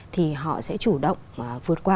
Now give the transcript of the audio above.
thì họ sẽ chủ động vượt qua